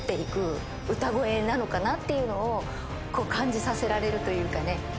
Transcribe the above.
なのかなっていうのを感じさせられるというかね。